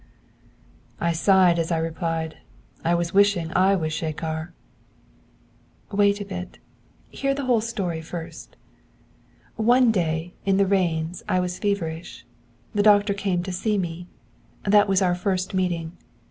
I sighed as I replied: 'I was wishing I was Shekhar!' 'Wait a bit. Hear the whole story first. One day, in the rains, I was feverish. The doctor came to see me. That was our first meeting.